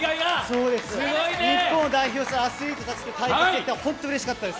日本を代表するアスリートたちと対決できて、本当にうれしかったです。